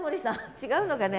違うのかね？